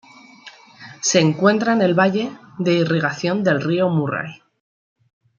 Se encuentra en el valle de irrigación del río Murray.